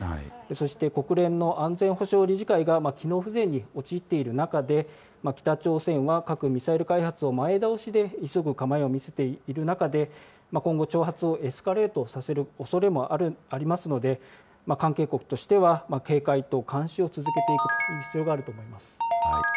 そして、国連の安全保障理事会が機能不全に陥っている中で、北朝鮮は核・ミサイル開発を前倒しで急ぐ構えを見せている中で、今後、挑発をエスカレートさせるおそれもありますので、関係国としては、警戒と監視を続けていく必要があると思います。